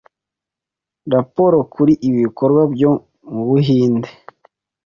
raporo kuri ibi bikorwa byo mu buhinde,